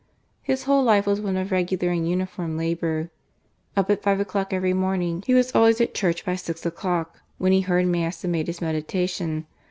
His whole life was one of regular and unifonn labour. Up at five o'clock every morning, he was always at church by six o'clock, when he heard Mass and made his meditation.